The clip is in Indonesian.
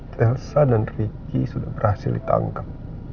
telsa dan riki sudah berhasil ditangkap